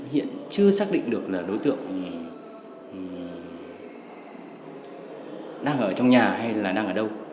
hiện chưa xác định được là đối tượng đang ở trong nhà hay là đang ở đâu